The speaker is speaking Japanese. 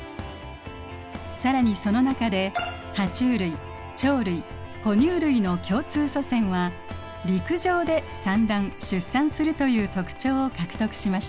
更にその中でハチュウ類鳥類哺乳類の共通祖先は陸上で産卵・出産するという特徴を獲得しました。